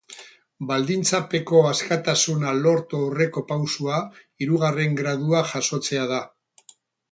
Baldintzapeko askatasuna lortu aurreko pausoa hirugarren gradua jasotzea da.